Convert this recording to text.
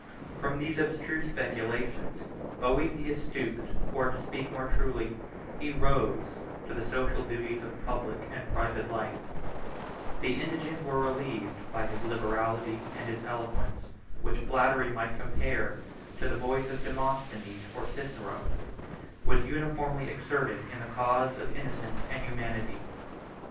From these abstruse speculations, Boethius stooped, or, to speak more truly, he rose to the social duties of public and private life: the indigent were relieved by his liberality; and his eloquence, which flattery might compare to the voice of Demosthenes or Cicero, was uniformly exerted in the cause of innocence and humanity.